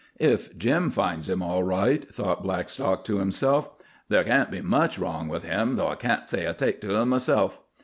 "If Jim finds him all right," thought Blackstock to himself, "ther' can't be much wrong with him, though I can't say I take to him myself."